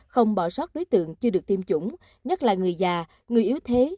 không bỏ sót đối tượng chưa được tiêm chủng nhất là người già người yếu thế